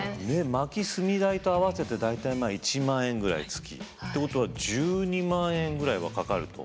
薪・炭代と合わせて大体１万円ぐらい月。ってことは１２万円ぐらいはかかると。